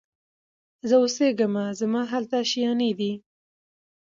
زه اوسېږمه زما هلته آشیانې دي